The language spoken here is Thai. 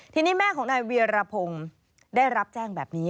ทีนี้แม่ของนายเวียรพงศ์ได้รับแจ้งแบบนี้